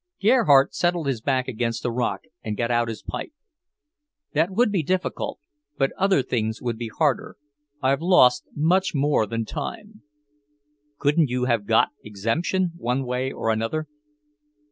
Gerhardt settled his back against a rock and got out his pipe. "That would be difficult; but other things would be harder. I've lost much more than time." "Couldn't you have got exemption, one way or another?"